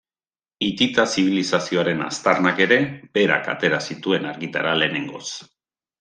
Hitita zibilizazioaren aztarnak ere berak atera zituen argitara lehenengoz.